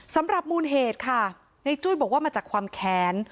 สำหรับมูลเหตุค่ะในจุ้ยบอกว่ามาจากความแค้น